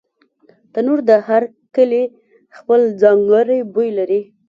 تنور د هر کلي خپل ځانګړی بوی لري